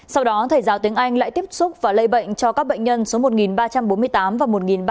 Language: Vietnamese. sau đó thầy giáo tiếng anh lại tiếp xúc và lây bệnh cho các bệnh nhân số một nghìn ba trăm bốn mươi tám và một nghìn ba trăm bốn mươi chín